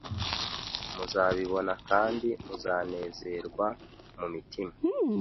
Muzabibona kandi muzanezerwa mu mitima